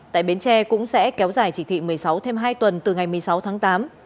tại bến tre cũng sẽ kéo dài chỉ thị một mươi sáu thêm hai tuần từ ngày một mươi sáu tháng tám